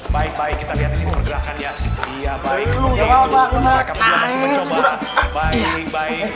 baik baik kita lihat di sini pergerakan ya iya baik baik